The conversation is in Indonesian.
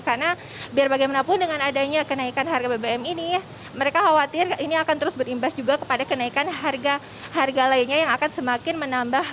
karena biar bagaimanapun dengan adanya kenaikan harga bbm ini mereka khawatir ini akan terus berimbas juga kepada kenaikan harga harga lainnya yang akan semakin menambah